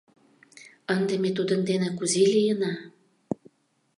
Ынде ме тудын дене кузе лийына?